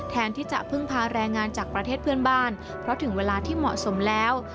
แทนที่จะพึ่งพาแรงงานจากประเทศเพื่อนบ้านเพราะถึงเวลาที่เหมาะสมแล้ว